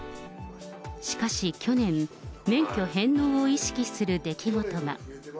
しかし去年、免許返納を意識する出来事が。